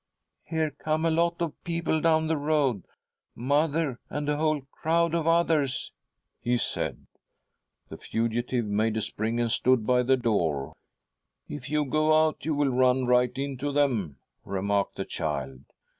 ' Here come a lot of people down the road — mother and a whole crowd of others,' he said. The fugitive made a spring and stood by the door. ' If you go out, you will run right into them,' remarked the child.